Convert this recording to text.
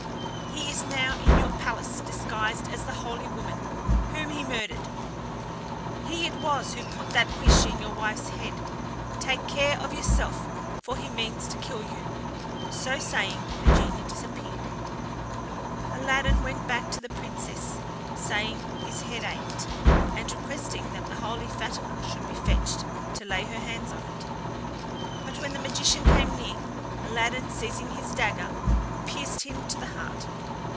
He is now in your palace disguised as the holy woman, whom he murdered. He it was who put that wish into your wife's head. Take care of yourself, for he means to kill you." So saying, the genie disappeared. Aladdin went back to the Princess, saying his head ached, and requesting that the holy Fatima should be fetched to lay her hands on it. But when the magician came near, Aladdin, seizing his dagger, pierced him to the heart.